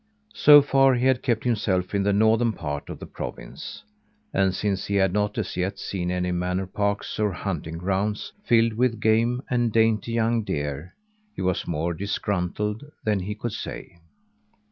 So far he had kept himself in the northern parts of the province; and since he had not as yet seen any manor parks, or hunting grounds filled with game and dainty young deer, he was more disgruntled than he could say.